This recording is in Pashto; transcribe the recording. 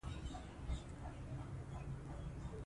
وګړي د افغانستان د اجتماعي جوړښت برخه ده.